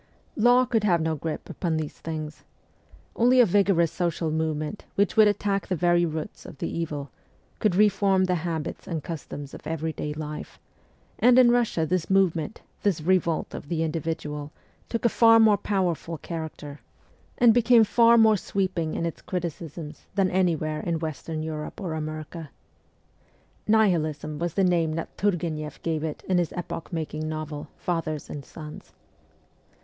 Law could have no grip upon these things. Only a vigorous social movement, which would attack the very roots of the evil, could reform the habits and customs of everyday life; and in Eussia this move ment this revolt of the individual took a far more powerful character, and became far more sweeping in G 2 84 MEMOIRS OF A REVOLUTIONIST its criticisms, than anywhere in western Europe or America. ' Nihilism ' was the name that Turgueneff gave it in his epoch making novel, ' Fathers and Sons.'